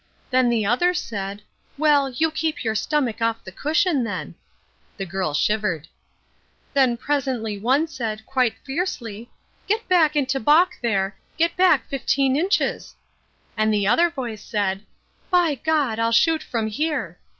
Then the other said, 'Well, you keep your stomach off the cushion then.'" The girl shivered. "Then presently one said, quite fiercely, 'Get back into balk there, get back fifteen inches,' and the other voice said, 'By God! I'll shoot from here.'